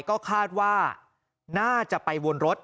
ก็คาดว่าน่าจะไปวนรถ